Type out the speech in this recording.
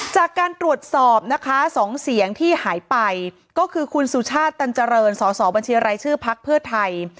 จากการตรวจสอบนะคะ๒เสียงที่หายไปก็คือคุณสุชาติตันเจริญสอสอบัญชีรายชื่อพักเพื่อไทย